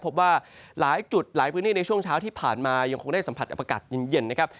พบว่าหลายจุดหลายพื้นที่ในช่วงเช้าที่ผ่านมายังคงได้สัมผัสกับอากาศเย็นนะครับ